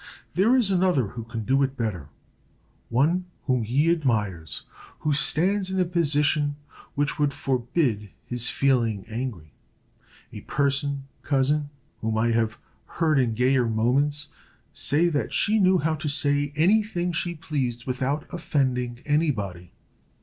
There is another who can do it better; one whom he admires, who stands in a position which would forbid his feeling angry; a person, cousin, whom I have heard in gayer moments say that she knew how to say any thing she pleased without offending any body."